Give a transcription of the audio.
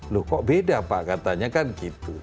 loh kok beda pak katanya kan gitu